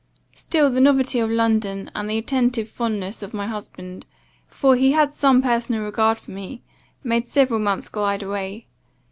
Still the novelty of London, and the attentive fondness of my husband, for he had some personal regard for me, made several months glide away.